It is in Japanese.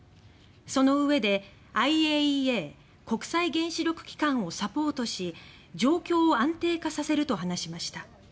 そのうえで、ＩＡＥＡ＝国際原子力機関をサポートし状況を安定化させると話しました。